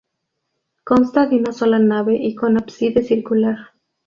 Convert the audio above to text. Consta de una sola nave y con ábside circular.